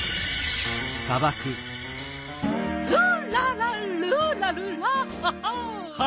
「ルルララルラルラハハ」